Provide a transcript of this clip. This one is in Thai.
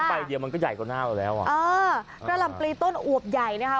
ใบเดียวมันก็ใหญ่กว่าหน้าเราแล้วอ่ะเออกระหล่ำปลีต้นอวบใหญ่นะคะ